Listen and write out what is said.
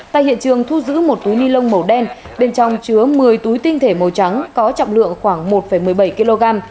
tại hiện trường thu giữ một túi ni lông màu đen bên trong chứa một mươi túi tinh thể màu trắng có trọng lượng khoảng một một mươi bảy kg